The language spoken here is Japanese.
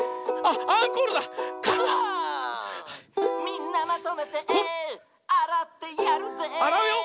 「みんなまとめてあらってやるぜ」